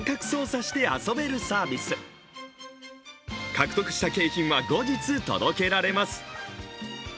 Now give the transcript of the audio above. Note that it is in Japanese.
獲得した景品は、後日届けられます。